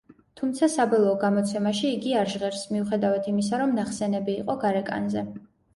თუმცა, საბოლოო გამოცემაში იგი არ ჟღერს, მიუხედავად იმისა, რომ ნახსენები იყო გარეკანზე.